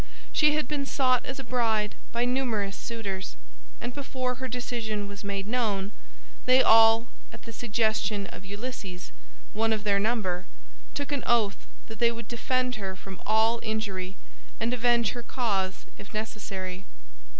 She had been sought as a bride by numerous suitors, and before her decision was made known, they all, at the suggestion of Ulysses, one of their number, took an oath that they would defend her from all injury and avenge her cause if necessary.